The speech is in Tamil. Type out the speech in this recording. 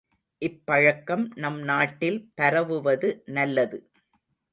இப்பழக்கம் நம்நாட்டில் பரவுவது நல்லது.